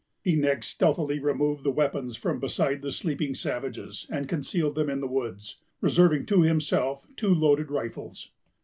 He next stealthily removed the weapons from beside the sleeping savages, and concealed them in the woods, reserving to himself two loaded rifles.